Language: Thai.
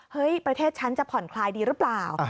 ประเทศฉันจะผ่อนคลายดีหรือเปล่า